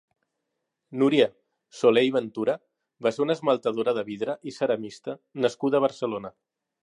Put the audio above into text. Núria Solé i Ventura va ser una esmaltadora de vidre i ceramista nascuda a Barcelona.